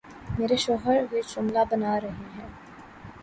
میرے شوہر یہ جملہ بنا رہا ہے